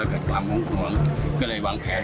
กลับมาบอกของมันก็เลยวางแผน